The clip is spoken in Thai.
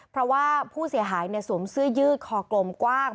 เพราะว่าผู้เสียหายสวมเสื้อยืดคอกลมกว้าง